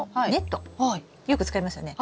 よく使いますよね。